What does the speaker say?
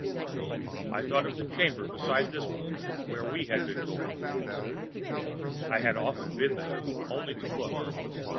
I thought of the chamber beside this one, where we had been born. I had often been there, only to look.